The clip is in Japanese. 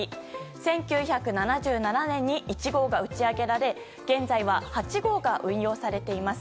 １９７７年に１号が打ち上げられ現在は８号が運用されています。